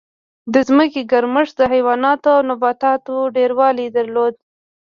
د ځمکې ګرمښت د حیواناتو او نباتاتو ډېروالی درلود.